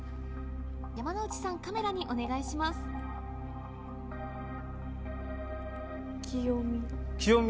山之内さん、カメラにお願いキヨミ。